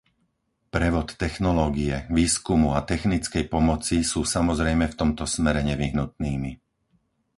Prevod technológie, výskumu a technickej pomoci sú samozrejme v tomto smere nevyhnutnými .